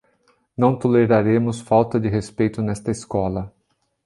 Não toleraremos falta de respeito nesta escola